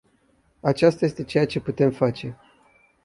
Aceasta este ceea ce putem face.